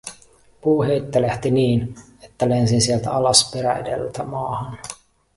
Puu heittelehti niin, että lensin sieltä alas perä edeltä maahan.